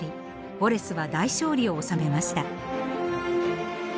ウォレスは大勝利を収めました。